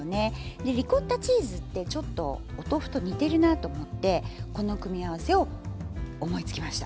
でリコッタチーズってちょっとお豆腐と似てるなと思ってこの組み合わせを思いつきました。